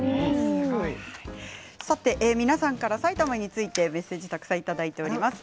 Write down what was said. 皆さんから埼玉についてメッセージをたくさんいただいています。